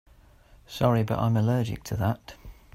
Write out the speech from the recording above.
Sorry but I'm allergic to that.